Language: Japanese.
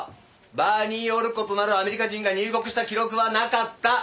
バーニー・オルコットなるアメリカ人が入国した記録はなかった！